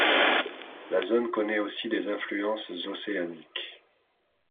La zone connaît aussi des influences océaniques.